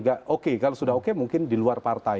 agak oke kalau sudah oke mungkin di luar partai